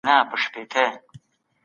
نظري تګلارې باید په تجربه ثابتې سي.